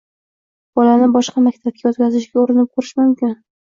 Bolani boshqa maktabga o‘tkazishga urinib ko‘rish mumkin.